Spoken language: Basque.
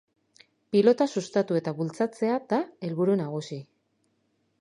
Pilota sustatu eta bultzatzea du helburu nagusi.